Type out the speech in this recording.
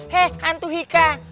hei hantu ika